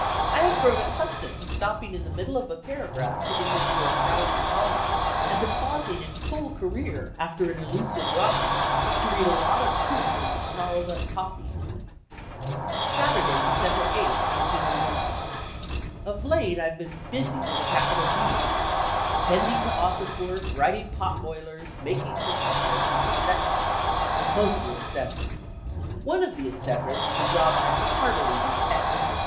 I have grown accustomed to snapping in the middle of a paragraph to interview a prowling caller, and to pausing in full career after an elusive rhyme, to read a lot of proof, and snarled up copy. Saturday, December 8, 1901 Of late I've been Busy with a capital B. Tending to office work, wridng pot boilers, making Christmas presents, etc., mosdy etc. Oneofthe"etcs." is a job I heartily detest.